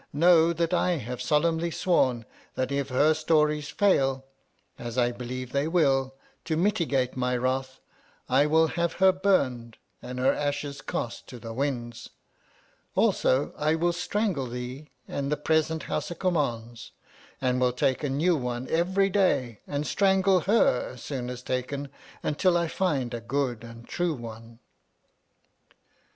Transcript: Know that I have solemnly sworn that if her stories fail — as I believe they will — to mitigate my wrath, I will have her burned and her ashes cast to the winds ! Also, I will strangle thee and the present Howsa Kummauns, and will take a new one every day and strangle her as soon as taken, until I find a good and true one.